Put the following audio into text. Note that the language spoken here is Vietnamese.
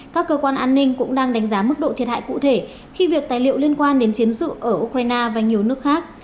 các cơ quan an ninh cũng đang đánh giá mức độ thiệt hại cụ thể khi việc tài liệu liên quan đến chiến dự ở ukraine và nhiều nước khác